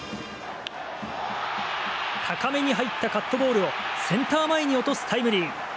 高めに入ったカットボールをセンター前に落とすタイムリー。